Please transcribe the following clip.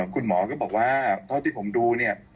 คุณหมอก็บอกว่าเท่าที่ผมดูเนี่ย